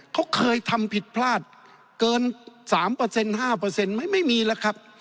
เขาเคยทำผิดพลาดเกิน๓๕ไม่มีแล้วครับ